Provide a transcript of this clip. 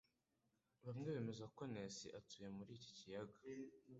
Bamwe bemeza ko Nessie atuye muri iki kiyaga